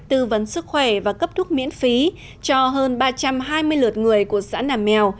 tư vấn sức khỏe và cấp thuốc miễn phí cho hơn ba trăm hai mươi lượt người của xã nam mèo